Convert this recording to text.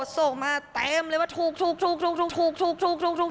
ส่งมาเต็มเลยว่าถูก